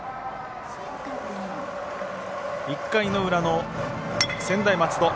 １回の裏の専大松戸。